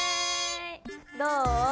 どう？